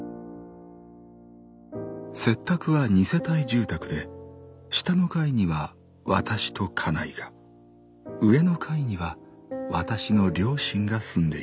「拙宅は二世帯住宅で下の階にはわたしと家内が上の階にはわたしの両親が住んでいる。